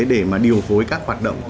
để điều phối các hoạt động